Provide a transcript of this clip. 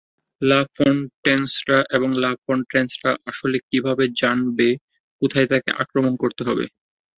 লা ফন্টেইনসরা এবং লা ফন্টেইনসরা আসলে কিভাবে জানবে কোথায় তাকে আক্রমণ করতে হবে?